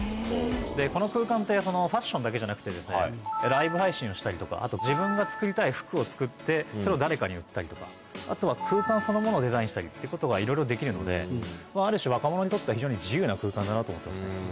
この空間ってファッションだけじゃなくてライブ配信をしたりとかあと自分が作りたい服を作ってそれを誰かに売ったりとかあとは空間そのものをデザインしたりってことがいろいろできるのである種若者にとっては非常に自由な空間だなと思ってますね。